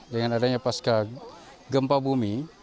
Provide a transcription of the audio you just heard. dengan adanya pasca gempa bumi